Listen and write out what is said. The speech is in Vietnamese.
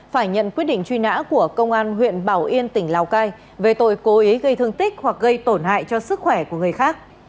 phải nhận quyết định truy nã của công an huyện bảo yên tỉnh lào cai về tội cố ý gây thương tích hoặc gây tổn hại cho sức khỏe của người khác